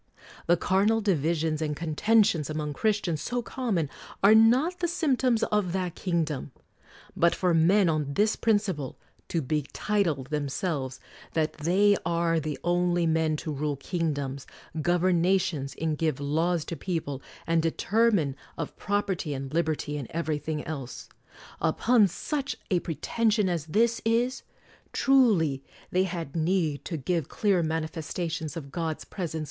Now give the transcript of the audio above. The carnal divisions and contentions among Chris tians, so common, are not the symptoms of that kingdom! But for men, on this principle, to betitle themselves that they are the only men to rule kingdoms, govern nations, and give laws to people, and determine of property and liberty and everything else, — upon such a pretension as this is: truly they had need to give clear mani festations of God's presence with them before 1 The Fifth Monarchy men were Second Adventists.